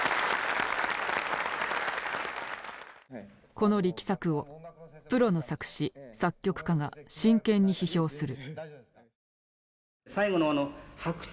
この力作をプロの作詞作曲家が真剣に批評する。